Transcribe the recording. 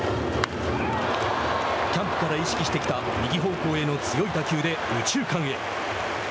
キャンプから意識してきた右方向への強い打球で右中間へ。